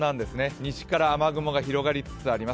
西から雨雲が広がりつつあります。